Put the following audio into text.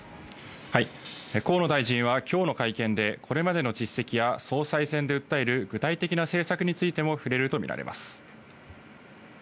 河野大臣は今日の会見でこれまでの実績や総裁選で訴える具体的な政策についても触れるとみられます。